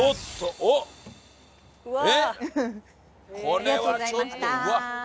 これはちょっとうわっ！